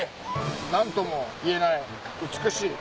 何とも言えない美しい。